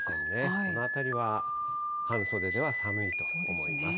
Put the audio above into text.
この辺りは半袖では寒いと思います。